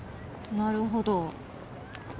なるほど。